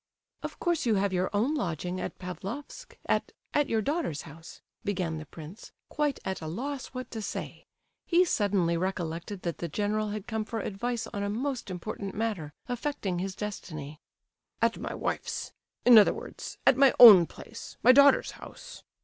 "Of course you have your own lodging at Pavlofsk at—at your daughter's house," began the prince, quite at a loss what to say. He suddenly recollected that the general had come for advice on a most important matter, affecting his destiny. "At my wife's; in other words, at my own place, my daughter's house."